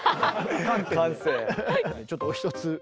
ちょっとお一つ。